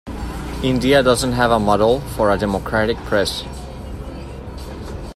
India doesn't have a model for a democratic press.